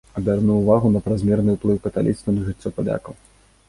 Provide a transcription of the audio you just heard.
Абярнуў увагу на празмерны ўплыў каталіцтва на жыццё палякаў.